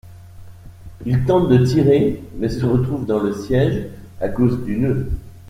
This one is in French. Il tente de tirer mais se retrouve dans le siège à cause du nœud.